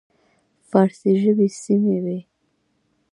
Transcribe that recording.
فارسي ژبې سیمې وې.